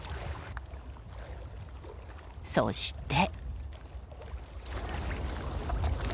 そして。